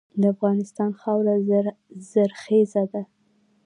د افغانستان خاوره زرخیزه ده.